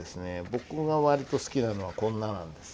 僕が割と好きなのはこんななんです。